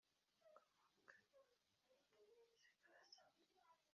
ibigomba kuzaba ku muntu mu gihe azaba afite imyaka runaka cyangwa mu gihe runaka,